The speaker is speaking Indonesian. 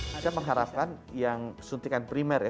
saya mengharapkan yang suntikan primer ya